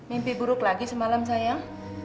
mimpi buruk lagi semalam sayang